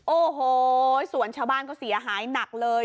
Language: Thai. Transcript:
โอ้โหส่วนชาวบ้านก็เสียหายหนักเลย